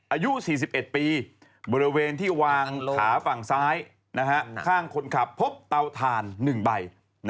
อายุ๔๑ปีบริเวณที่วางขาฝั่งซ้ายข้างคนขับพบเตาถ่าน๑ใบ